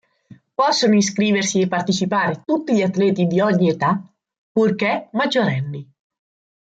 Possono iscriversi e partecipare tutti gli atleti di ogni età, purché maggiorenni.